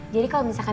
jadi kalau misalnya